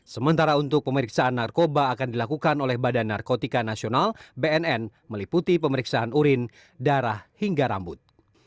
sementara untuk pemeriksaan narkoba akan dilakukan oleh badan narkotika nasional bnn meliputi pemeriksaan urin darah hingga rambut